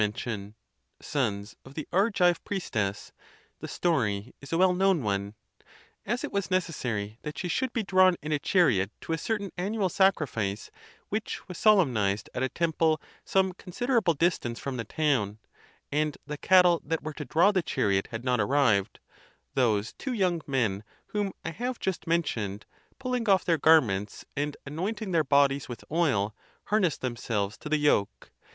mention, sons of the Argive priestess; the story is a well known one. As it was necessary that she should be drawn in a chariot to a certain annual sacrifice, which was solemnized at a temple some considerable distance from the town, and the cattle that were to draw the chariot had not arrived, those two young men whom I have just mentioned, pulling off their _ garments, and anointing their bodies with oil, harnessed themselves to the yoke.